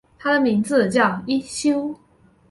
他的名字叫一休。